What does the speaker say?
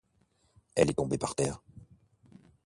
Elle est tombée par terre.